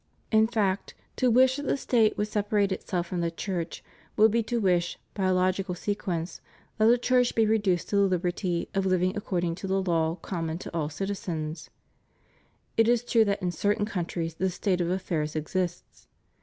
In fact, to wish that the State would separate itself from the Church would be to wish, by a logical sequence, that the Church be reduced to the liberty of living according to the law common to all citizens. ... It is true that in certain countries this state of affairs exists.